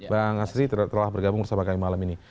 bang asri telah bergabung bersama kami malam ini